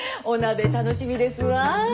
お鍋楽しみですわ。